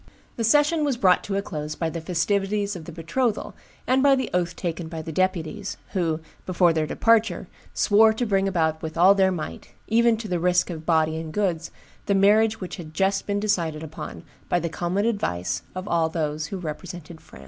"The session was brought to a close by the festivities of the betrothal, and by the oath taken by the deputies, who, before their departure, swore to bring about with all their might, even to the risk of body and goods, the marriage which had just been decided upon by the common advice of all those who represented France.